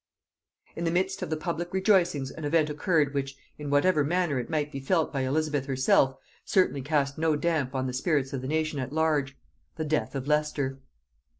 In the midst of the public rejoicings an event occurred, which, in whatever manner it might be felt by Elizabeth herself, certainly cast no damp on the spirits of the nation at large; the death of Leicester.